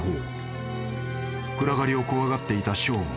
［暗がりを怖がっていたショーン］